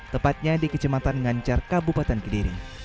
tepatnya di kecematan ngancar kabupaten kediri